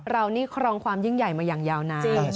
เรานี่ครองความยิ่งใหญ่มาอย่างยาวนาน